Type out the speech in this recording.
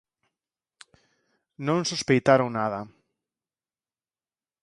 Non sospeitaron nada.